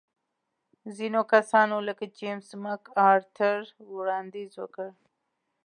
ځینو کسانو لکه جېمز مک ارتر وړاندیز وکړ.